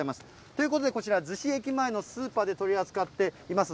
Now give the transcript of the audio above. ということでこちら、逗子駅前のスーパーで取り扱っています。